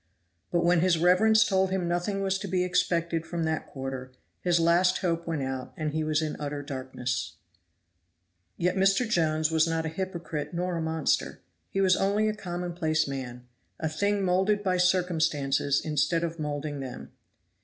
But when his reverence told him nothing was to be expected from that quarter, his last hope went out and he was in utter darkness. Yet Mr. Jones was not a hypocrite nor a monster; he was only a commonplace man a thing molded by circumstances instead of molding them.